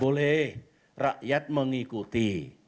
boleh rakyat mengikuti